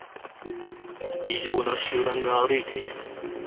異常な集団が歩いている。